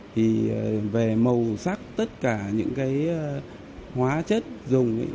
thì về màu sắc tất cả những cái hóa chất dùng